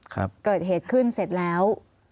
เกิดเหตุขึ้นเสร็จแล้ว